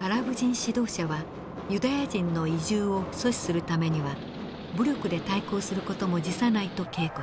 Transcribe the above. アラブ人指導者はユダヤ人の移住を阻止するためには武力で対抗する事も辞さないと警告。